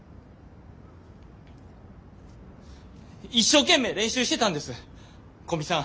一生懸命練習してたんです古見さん